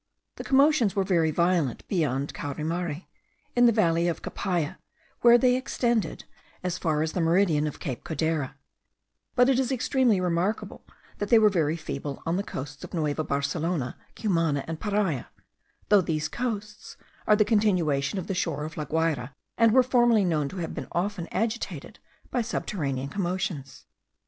The commotions were very violent beyond Caurimare, in the valley of Capaya, where they extended as far as the meridian of Cape Codera: but it is extremely remarkable that they were very feeble on the coasts of Nueva Barcelona, Cumana, and Paria; though these coasts are the continuation of the shore of La Guayra, and were formerly known to have been often agitated by subterranean commotions.